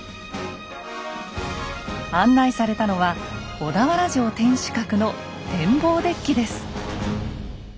案内されたのは小田原城天守閣の展望デッキです。